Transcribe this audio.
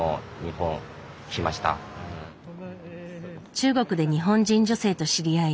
中国で日本人女性と知り合い